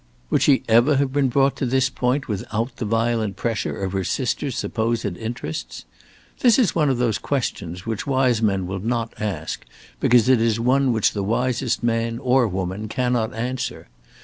Would she ever have been brought to this point without the violent pressure of her sister's supposed interests? This is one of those questions which wise men will not ask, because it is one which the wisest man or woman cannot answer.